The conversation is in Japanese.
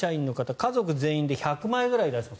家族全員で１００枚くらい出します。